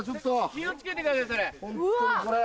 気を付けてくださいそれ。